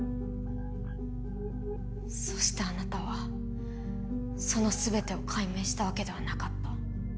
そしてあなたはその全てを解明したわけではなかった。